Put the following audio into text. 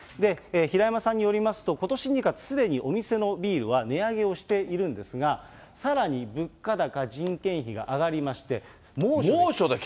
平山さんによりますと、ことし２月、すでにお店のビールは値上げをしているんですが、さらに物価高、人件費が上がりまして、猛暑で。